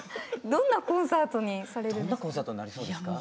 どんなコンサートになりそうですか？